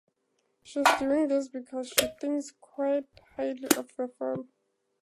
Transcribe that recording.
She's doing this because she thinks quite highly of the firm.